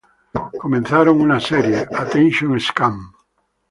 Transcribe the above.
Comenzaron una serie, "Attention Scum!